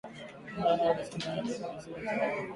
Eamon Gilmore alisema ameelezea wasiwasi wa umoja huo,